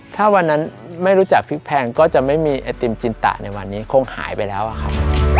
ถ้าวันนั้นไม่รู้จักพริกแพงก็จะไม่มีไอติมจินตะในวันนี้คงหายไปแล้วอะครับ